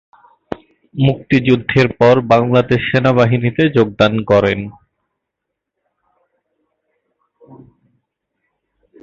মুক্তিযুদ্ধের পর বাংলাদেশ সেনাবাহিনীতে যোগদান করেন।